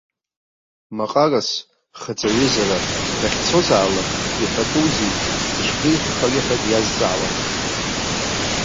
Маҟарас, хаҵаҩызара, дахьцозаалак, иҳәатәузеи, ишԥеиӷьхари ҳәа диазҵаауан.